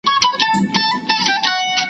ایا ستا مقاله په کوم بل ځای کي خپره سوي ده؟